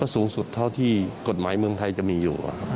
สูงสุดเท่าที่กฎหมายเมืองไทยจะมีอยู่